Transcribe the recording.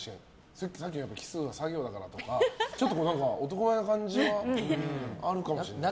キスは作業だからとかちょっと男前な感じはあるかもしれないですね。